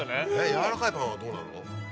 やわらかいパンはどうなの？